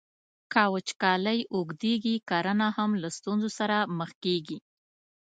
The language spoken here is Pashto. که وچکالۍ اوږدیږي، کرنه هم له ستونزو سره مخ کیږي.